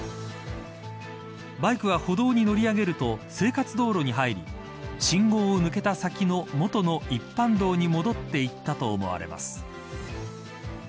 バイクは歩道に乗り上げると生活道路に入り信号を抜けた先の元の一般道に戻っていったと思われます。